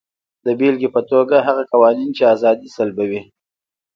د بېلګې په توګه هغه قوانین چې ازادي سلبوي.